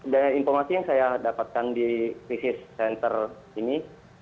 dan informasi yang saya dapatkan di crisis center ini